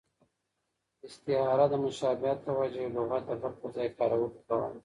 استعاره د مشابهت په وجه یو لغت د بل پر ځای کارولو ته وايي.